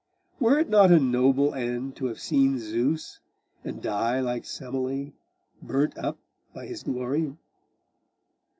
Were it not a noble end to have seen Zeus, and die like Semele, burnt up by his glory?